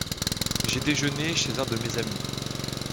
J'ai déjeuné chez un de mes amis.